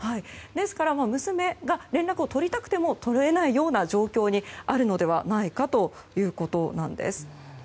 ですから娘が連絡を取りたくても取れないような状況にあるのではないかということなんです。